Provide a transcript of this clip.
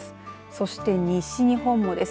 そして西日本もです。